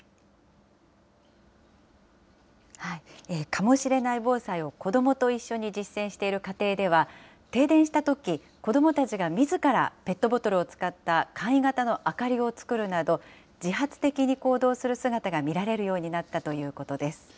かもしれない防災を子どもと一緒に実践している家庭では、停電したとき、子どもたちがみずから、ペットボトルを使った簡易型の明かりを作るなど、自発的に行動する姿が見られるようになったということです。